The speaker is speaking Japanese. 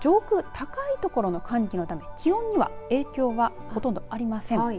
高い所の寒気のため気温には影響はほとんどありません。